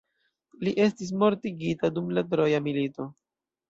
Li estis mortigita dum la troja milito.